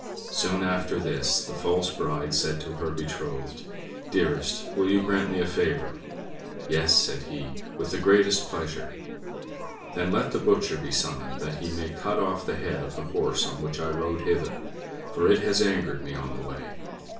Soon after this, the false bride said to her betrothed, "Dearest, will you grant me a favor?" "Yes," said he; "with the greatest pleasure." "Then let the butcher be summoned, that he may cut off the head of the horse on which I rode hither, for it has angered me on the way."